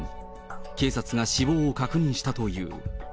警察が死亡を確認したという。